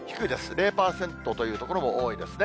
０％という所も多いですね。